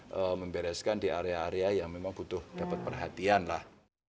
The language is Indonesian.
kita membereskan di area area yang memang butuh dapat perhatian lah